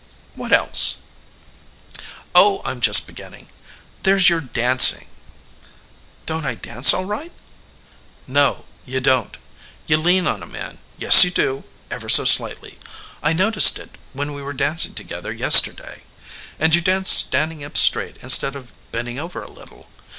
"What else?" "Oh, I'm just beginning! There's your dancing." "Don't I dance all right?" "No, you don't you lean on a man; yes, you do ever so slightly. I noticed it when we were dancing together yesterday. And you dance standing up straight instead of bending over a little.